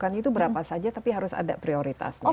kan itu berapa saja tapi harus ada prioritasnya